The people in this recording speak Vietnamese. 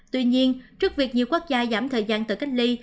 tuy nhiên trước việc nhiều quốc gia giảm thời gian tự cách ly